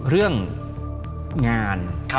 เรื่องงาน